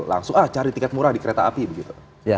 langsung ah cari tiket murah di kereta api begitu